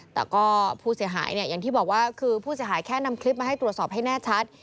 แต่ก็ผู้เสียหายเนี่ยอย่างที่บอกว่าคือผู้เสียหายแค่นำคลิปมาให้ตรวจสอบให้แน่ชัด